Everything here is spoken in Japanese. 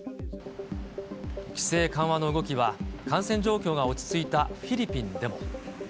規制緩和の動きは、感染状況が落ち着いたフィリピンでも。